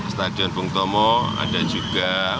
stadion bung tomo ada juga